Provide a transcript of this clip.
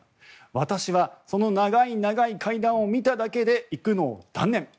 私はその長い長い階段を見ただけで行くのを断念。